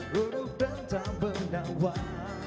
ruduk dan tak bernafas